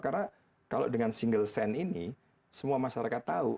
karena kalau dengan single sand ini semua masyarakat tahu